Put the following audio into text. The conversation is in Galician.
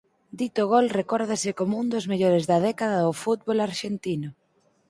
Dito gol recórdase como un dos mellores da década no fútbol arxentino.